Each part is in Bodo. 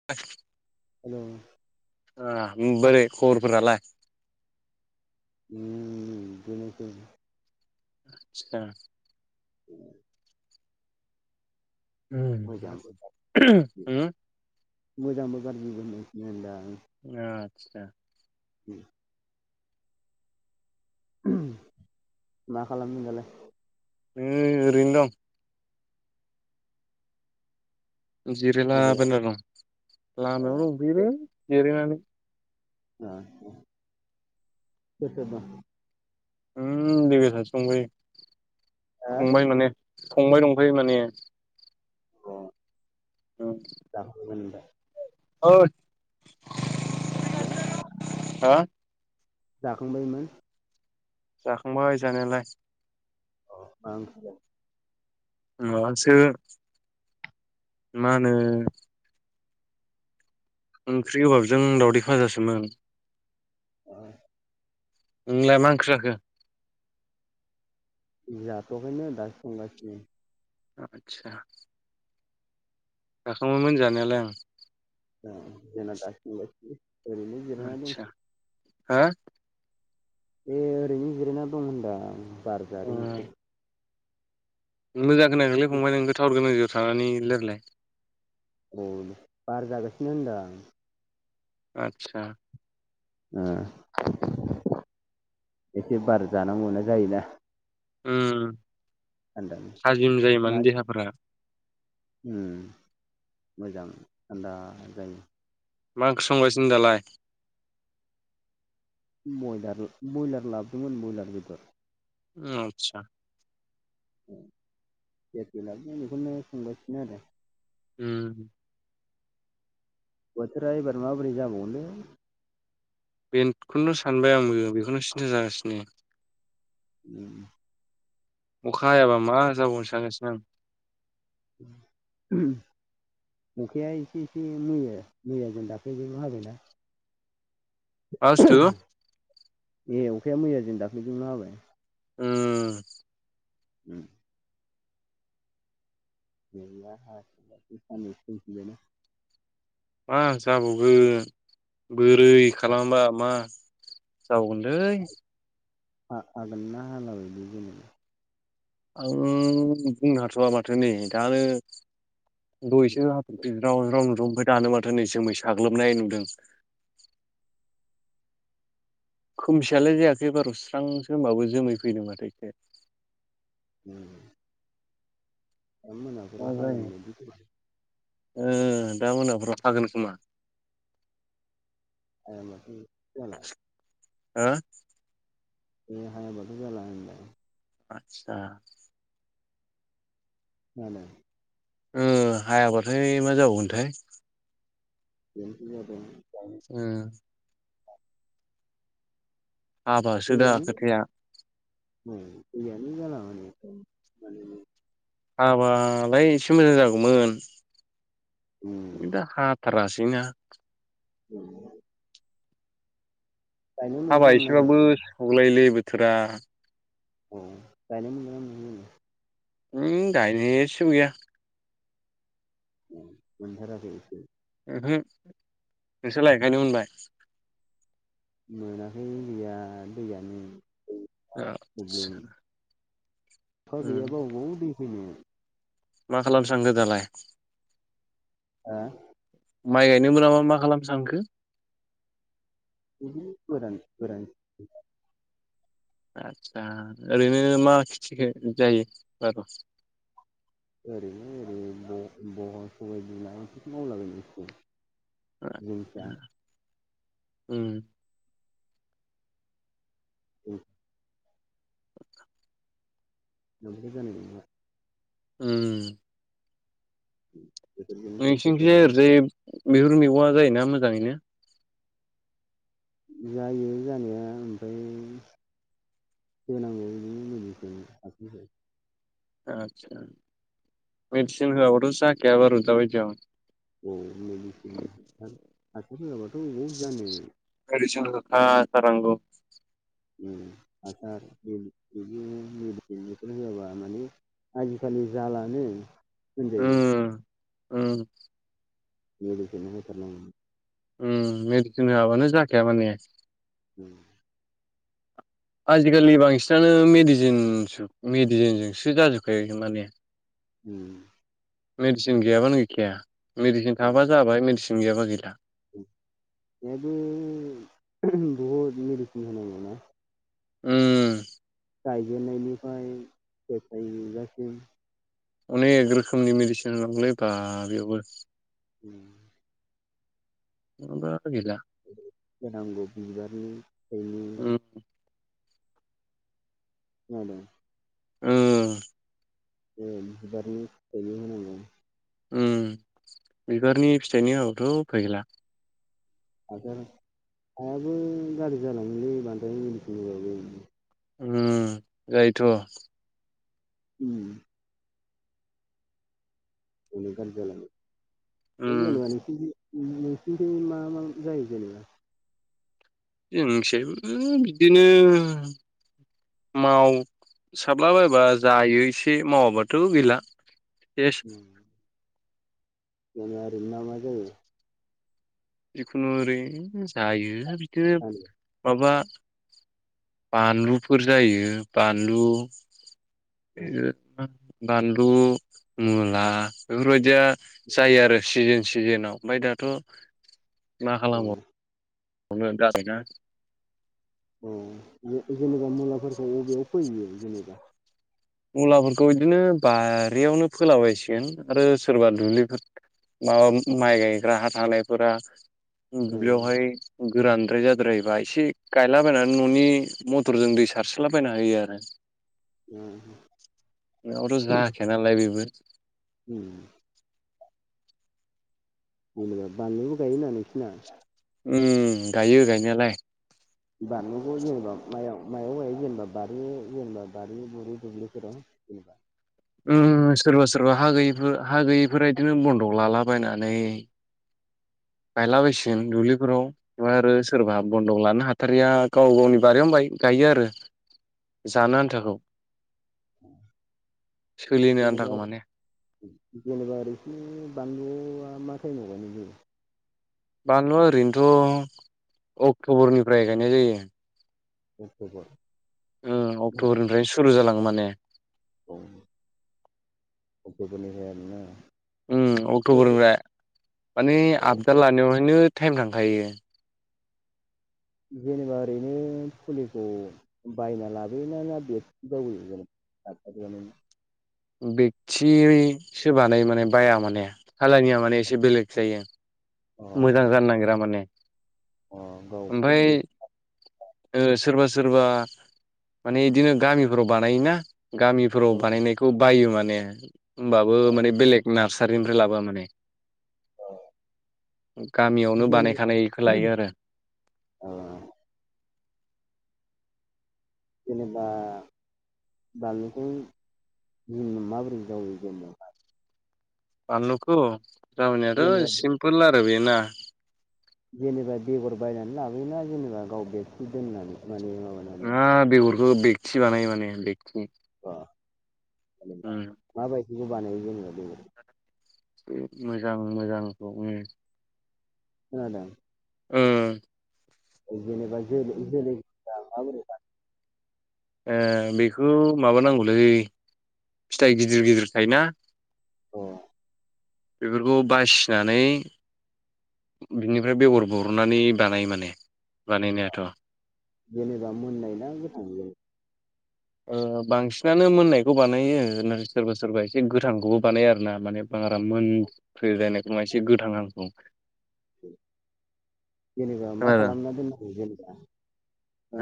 [unintelligible] हेलौ ओ बोरै खबरफोरालाय उम बेनोसै आदसा [inaudible] उम मोजांबो गाज्रिबो मोजांबो गाज्रिबो होननांसिगोन होनदों आं आतसा [unintelligible] मा खालामदों दालाय नै ओरैनो दं जिरायला बबेयाव बायना दं ओ लामायाव दंफैयोलै जिरायनानै सोर सोर दं उम लोगो सासे दंफायो फंबाय माने फंबाय दंफायो माने अ औ जाखांबाय ओमफ्राय ओइ हेलौ हा जाखांबायमोन जाखांबाय जानायालाय अ मा ओंख्रि जाखो माबासो मा होनो ओंख्रि गोबाबजों दावदै फाजासोमोन आ नोंलाय मा ओंख्रि जाखो जाथआखैनो दासो संगासिनो आतसा जाखांबायमोन जानायालाय आं आ जोंना दासो संगासिनोलै आदसा हा ए ओरैनो जिरायना दं होनदां बार जादों उम एसे मोजां खोनायाखैलाय फंबाय नोंनिखौ थावार गोनां जायगायाव थानानै रायलायलाय बार जागसि होनदां आतसा ओ एसे बारा जानांगौ ना जायोना उम थानदानो थाजिम जायो माने मा देहाफोरा उम मोजां थान्दा जायो मा ओंख्रि संगासिनो दालाय बयलार बयलार लाबोदोंमोन बयलार बेदर आतसा जेखौ लाबोदोंमोन बेखौनो संगासिनो आरो उम बोथोरा एबार माबोरै जाबावगोनलै बेखौनो सानबाय आंबो बेखौनो सिन्था जागासिनो उम अखा हायाबा मा जाबावगोनसो सानगासिनो आं [unintelligible] अखाया एसे एसे मैया मैयाजों दाख्लैजों हाबायना मा बुस्थु ए अखाया मैयाजों दाख्लैजोंल' हाबाय ओम उम जोंथिं हागासिनो दा साननैसोआ मा जाबावगोन बोरै खालामबा मा जाबावगोनलै आगोल ना हालाबायोलै जोंनाव आं बुंनो हाथ'वा माथो नै दानो दहायसो हाथरखि ज्राव‌ ज्राव नुदों ओमफाय दानो माथो नै जोमै साग्लोबनाय नुदों खोमसियालाय जायाखै बार' स्रांसो होमबाबोबो जोमै फैदों माथो ए उम दा मा मोनाफोराव जायो हागोन बायदि ओ दा मोनाफोराव हागोन खोमा हायाबाथ' जाला हो दिनै‌ हायाबाथ' जाला होनदों आतसा खोनादों ओ हायाब्लाथाय मा जाबावगोनथाय बेन्थ जादों ओ हाबासो दा दैयानो खोथाया औ दैयानो जाला माने हाबालाय एसे मोजां जागौमोन दा गायनो थारासैना [unintelligible] हाबा मोनगोना मोनाखै एसेबाबो सुगलायोलै बोथोरा औ गायनो मोनगोनना मोना एसेबो गैया मोनथाराखै ओहो नोंसोरलाय गायनो मोनबाय मोनाखै गैया दैयानो प्रब्लेम आतसा अखा गैयाबा अबाव दै फैनो मा खालामनो सानदों दालाय ओ माइ गायनो मोनाबा मा खालामनो सानखो बिदिनो गोरान गोरान आदसा ओरैनो मा खेथिखो जायो आर' ओरैनो ओरै सबाइ बिमा बे मावलाबायो [unintelligible] उम औ [unintelligible] जानाय उम [unintelligible] थाइसे नोंसिनिथिंजाय थाइनै ओरैजाय बेफोर मैगंआ जायोना मोजाङैनो जायो जानाया ओमफ्राय होनांगौ बिदिनो मुलिखौ [unintelligible] जायो आथसा मेडिसिन होवाबाथ जाखाया बारु दाबादियाव औ मेडिसिन हासार होआबाथ अबाव जानो [unintelligible] सारांग हासार बिदि मेडिसिन बेफोर होआबा माने आजिखालि जालानो होनजायो उम उम मेदिसिन होथारनांगौ उम मेडिसिन होआबानो जाखाया माने उम आजिखालि बांसिनानो मेडिसिन मेडिसिनजोंसो जाजोबखायो माने उम मेडसिन गैयाबानो गैखाया मेडिसिन थाबा जाबाय मेडिसिन गैयाबा गैला बेयावबो बहुत मिडिसिन होनांगौना उम गायजेननायनिफ्राय फिथाय थायजासिम अनेक रोखोमनि मेडिसिन होनांगौलै बा बेयावबो उम नङाबा गैला होनांगौ बिबारनि फिथायनि उम खोनादों ओं ओं ओन बिबारनि फिथायनि होनांगौ बिबारनि फिथाइनि होआबाथ उफाय गैला आरो हाजार हायाबो गाज्रि जालाङो बांद्राय मेडिसिन होबाबो उम जायोथ उम अनेक गाज्रि जालाङो बे उम जेनेबा नोंसिनिथिं नोंसिनिथिं मा मा जायो जेनेबा जोंनिखिजायबो बिदिनो मावसाबलाबायबा जायो एसे मावाबाथ गैला सेस उम जोंना ओरैनो ना मा जायो जिखुनु ओरै जायो बिदिनो जानो माबा बानलुफोर जायो बानलु बिदिनो बानलु मुला बेफोरबायदिया जायो आरो सिजोन सिजोनाव ओमफ्राय दाथ मा औ खालामबाव गोन जाबायना औ जेनेबा मुलाफोरखौ अबेयाव फोयो जेनेबा मुलाफोरखौ बिदिनो बारियावनो फोलाबायसिगोन आरो सोरबा दुब्लि फोर ना माइ गायग्रा हा थानायफोरा औ दुब्लियावहाय गोरानद्राय जाद्रायोबा एसे गायलाबायनानै न'नि मथरजों दै सारसलाबायना होयो आरो ओ नङाबाथ जाखाया नालाय बेबो उम जेनेबा बानलुबो गायोना नोंसिना उम गायो गायनायालाय बानलुखौ जेनेबा मायाव मायाव गायो जेनेबा बारि जेनेबा बारि बुरि दुब्लिफोराव जेनबा उम सोरबा सोरबा हा गैयिफोर हा गैयिफोरा इदिनो बन्दग लालाबायनानै गायलाबायसिगोन दुब्लिफोराव बेवहाय आरो सोरबा बन्दक लानो हाथारिया गाव गावनि बारियावनो गायो आरो जानो आन्थाखौ सोलिनो जेनेबा आन्थाखौ माने जेनेबा ओरै एसे बानलुआ मा टाइमाव गायनाय जायो बानलुआ ओरैनोथ' अक्ट'बरनिफ्राय गायनाय जायो अक्ट'बर उम अक्ट'बरनिफ्रायनो सुरु जालाङो माने ओ अक्ट'बरनिफ्राय आरोना उम अक्ट'बरनिफ्राय माने औ आबजा लानायावहायनो टाइम थांखायो जेनेबा ओरैनो फुलिखौ बायना लाबोयोना ना बेयाव जायो जेनेबा नारसारियावनो बेक्थि सोबानाय माने बाया माने सालानिया माने एसे बेलेग जायो अ मोजां जानो नागिरा माने अ गाव ओमफ्राय खुब बे सोरबा सोरबा माने बिदिनो गामिफोराव बानायोना गामिफोराव औ बानायनाय खौ बायो माने होनबाबो माने बेलेग नार्सारिनिफ्राय लाबोआ माने औ गामियावनो बानायखानायखौ लायो आरो आ जेनेबा बाललुखौ जों माबोरै जावायो जेनबा बानलुखौ जेनेबा जावायनायाथ' सिमपोल आरो बे ना जेनेबा बेगर बायनानै लाबोयोना जेनेबा गाव बेरसि दोननानै माने माबानानै [unintelligible] बे बेगति बानायो माने बेगति आं जेनेबा माबायदिखौ बानायो जोङो बे मोजां मोजांखौ उम खोनादों ओ जेनेबा [unintelligible] ए बेखौ माबा नांगौलै फिथाइ गिदिर गिदिर थायोना अ बेफोरखौ बासिनानै बिनिफ्राय बेगर बरनानै बानायो माने बानायनायाथ' जेनेबा मोननाय ना गोथां बेयो ओ बांसिनानो मोननायखौ बानायो सोरबा सोरबा एसे गोथांखौबो बानायो आरो ना माने बारा मोनफ्लेनायखौ नङा एसे गोथां हांखौ जेनेबा मा खोनादों खालामना दोननांगौ जेनेबा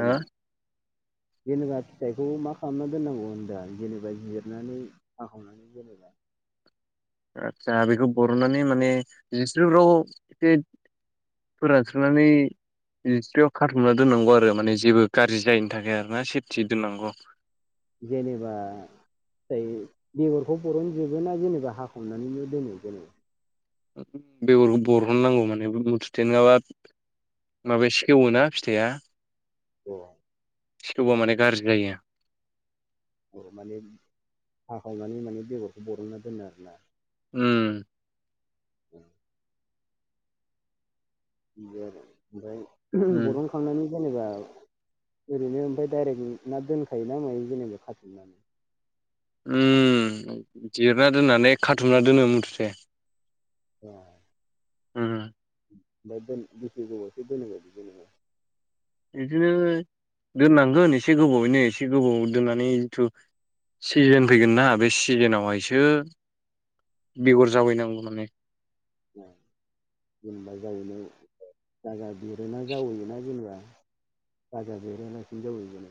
हो जेनेबा फिथाइखौ मा खालामना दोननांगौ होनदों जेनेबा जिरनानै हाखाव माने जेनेबा आतसा बेखौ बरनानै माने जिस्रिफ्राव एसे फोरानस्रा'नानै जिसिरियाव खाथुमना दोननांगौ आरो माने जेबो गाज्रि जायैनि थाखाय आरो ना सेफथि दोननांगौ। जेनेबा जायो बेगरखौ बर'न जोबो ना जेनेबा हाखावनैनो दोनो जेनेबा बेगरखौ बरननांगौ माने मुथुथे नङाबा माबाया सेवो ना फिथाइआ अ सेवबा माने गाज्रि जायो माने हाखावनानै माने बेगरखौ बरनना दोनो आरोना उम [inaudible] बिदि आरो ओमफाय उम बरन खांनानै जेनेबा ओरैनो ओमफ्राय डाइरेक्ट ना दोनखायोना मायो जेनेबा खाथुमनानै उम जिरना दोननानै खाथुमना दोनो मुथुथे ए उम ओमफ्राय दोन बेसे गोबावसो दोनोबायदि जेनेबा बिदिनो दोननांगोन एसे गोबावैनो एसे गोबाव दोननानै जिथु सिजोन फैगोन ना बे सिजोनावहायसो बेगर जावायनांगौ माने ए जेनेबा जावायनो गाजा बेर ना जावैयोना जेनेबा गाजा बेरालासिनो जावैगोन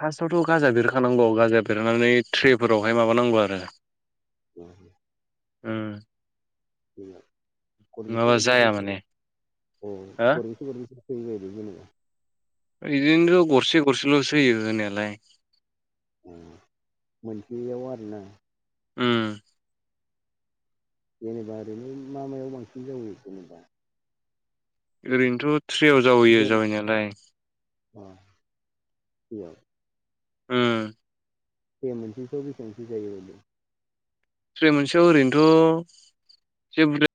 फार्स्टआवथ गाजा बेरहोखानांगौ गाजा बेरहोनानै ट्रेफोरावहाय माबानांगौ आरो अ उम जेनेबा गरबैसे नङाबा गरबैसे जाया माने सारो अ हो गरबैसे गरबैसे फोयोबायदि जेनेबा इदिनोथ गरसे गरसेलसो होयो होनायालाय अ मोनसेयाव आरोना उम जेनेबा ओरैनो मा मायाव बांसिन जायो जेनेबा ओरैनोथ थ्रेयाव जावैयो जेन जावैनायालाय अ थ्रेयाव उम थ्रे मोनसेसोआव बेसेसो जायो ओरैनो थ्रे मोनसेयाव ओरैनोथ जे बुरजा